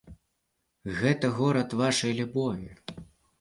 Гэта горад вашай любові.